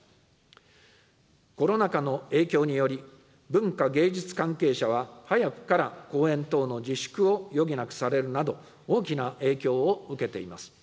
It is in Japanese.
コロナ禍の影響により、文化芸術関係者は、早くから公演等の自粛を余儀なくされるなど、大きな影響を受けています。